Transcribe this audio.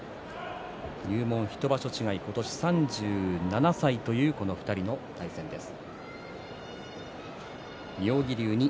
入門１場所違い、今年３７歳というこの２人の対戦です。